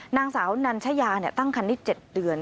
นางสาวนัญชญาเนี่ยตั้งคันที่๗เดือน